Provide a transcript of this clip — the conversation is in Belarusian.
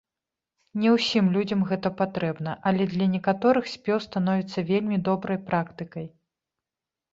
Не ўсім людзям гэта патрэбна, але для некаторых спеў становіцца вельмі добрай практыкай.